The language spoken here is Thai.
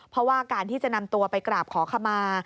เพราะว่าการที่จะนำตัวไปกราบขอขมา